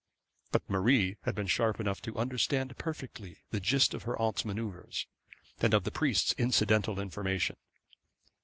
But Marie had been sharp enough to understand perfectly the gist of her aunt's manoeuvres and of the priest's incidental information.